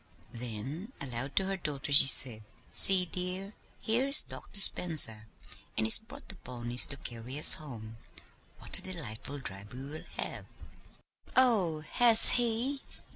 Then aloud to her daughter she said: "See, dear, here's Dr. Spencer, and he's brought the ponies to carry us home. What a delightful drive we will have!" "Oh, has he?"